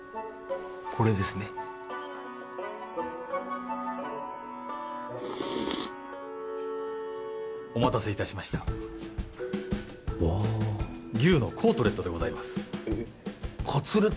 これですねお待たせいたしましたわあ牛のコートレットでございますカツレツ